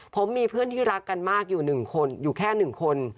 ผมมีเพื่อนที่รักกันมากอยู่๑คนอยู่แค่๑คน